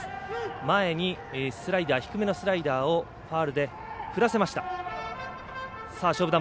前に低めのスライダーをファウルで振らせました。